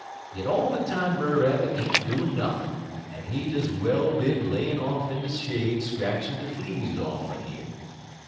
Yit all de time Brer Rabbit ain't doin' nothin', en he des well bin layin' off in de shade scratchin' de fleas off'n 'im.